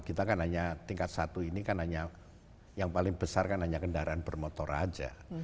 kita kan hanya tingkat satu ini kan hanya yang paling besar kan hanya kendaraan bermotor aja